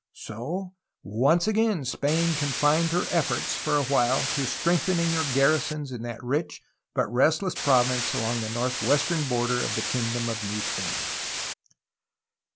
So once again Spain confined her efforts for a while to strengthening her garrisons in that rich but restless province along the northwestern border of the kingdom of New Spain.